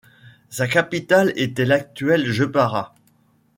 Sa capitale était l'actuelle Jepara.